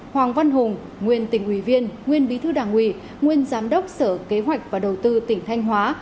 hoàng văn hùng nguyên tỉnh ủy viên nguyên bí thư đảng ủy nguyên giám đốc sở kế hoạch và đầu tư tỉnh thanh hóa